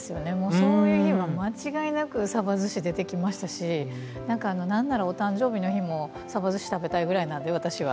そういう日は間違いなくさばずし出てきましたし何ならお誕生日の日もさばずし食べたいぐらいなんで私は。